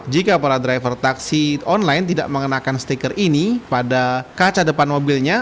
jika para driver taksi online tidak mengenakan stiker ini pada kaca depan mobilnya